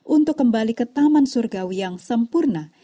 untuk kembali ke taman surgawi yang sempurna